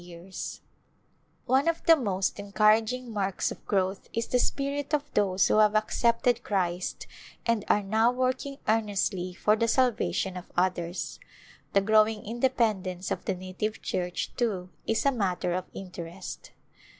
A Glimpse of India One of the most encouraging marks of growth is the spirit of those who have accepted Christ and are now working earnestly for the salvation of others : the growing independence of the native church, too, is a matter of interest.